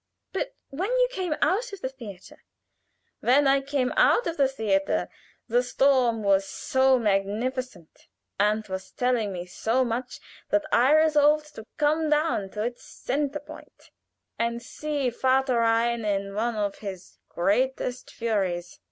"But when you came out of the theater?" "When I came out of the theater the storm was so magnificent, and was telling me so much that I resolved to come down to its center point and see Vater Rhein in one of his grandest furies.